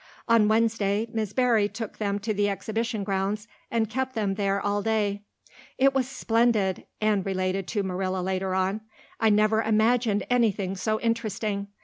On Wednesday Miss Barry took them to the Exhibition grounds and kept them there all day. "It was splendid," Anne related to Marilla later on. "I never imagined anything so interesting.